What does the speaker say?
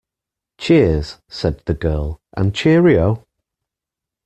Cheers, said the girl, and cheerio